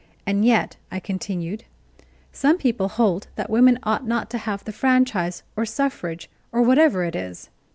And yet," I continued, "some people hold that women ought not to have the franchise, or suffrage, or whatever it is!